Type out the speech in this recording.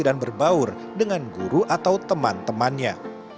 dan berbaur dengan guru atau teman temannya